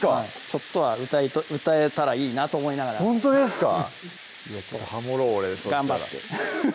ちょっとは歌えたらいいなと思いながらほんとですか？